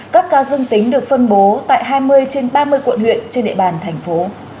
các ca dương tính được phân bố tại hai mươi trên ba mươi quận huyện trên địa bàn thành phố